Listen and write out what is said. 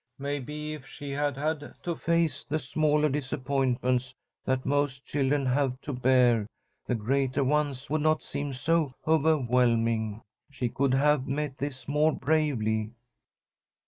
Maybe if she had had to face the smaller disappointments that most children have to bear, the greater ones would not seem so overwhelming. She could have met this more bravely."